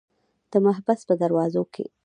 د محبس په دروازو کې.